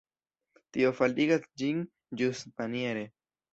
Tio faldigas ĝin ĝustmaniere.